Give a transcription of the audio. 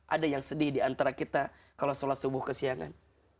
ada yang sedih diantara kita kalau sholat subuh kesiangan